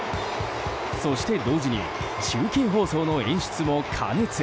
そして同時に中継放送の演出も過熱。